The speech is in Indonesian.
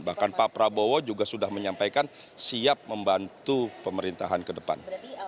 bahkan pak prabowo juga sudah menyampaikan siap membantu pemerintahan ke depan